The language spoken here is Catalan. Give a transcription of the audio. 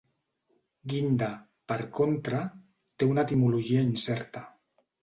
Guinda, per contra, té una etimologia incerta.